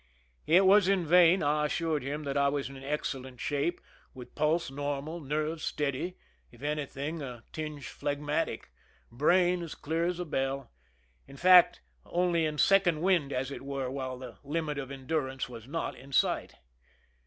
It was in vain I assured him that I was in excellent shape, with pulse normal, nerves steady,— if any thing a tinge plilegmatic, brain as clear as a bell in fact, only in " second wind," as it were, while the limit of endurance was not in sight.